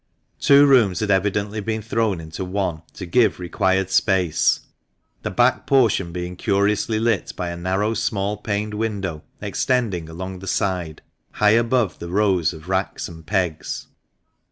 Two rooms had evidently been thrown into one to give required space, the back portion being curiously lit by a narrow small paned window extending along the side, high above the rows of racks and pegs.